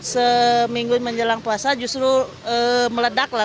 seminggu menjelang puasa justru meledak lah